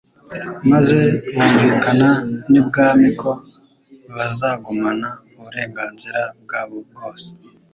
maze bumvikana n'ibwami ko bazagumana uburenganzira bwabo bwose,